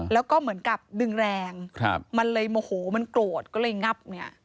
แล้วก็เหมือนกับดึงแรงมันเลยโมโหมันโกรธก็เลยงับเนี่ย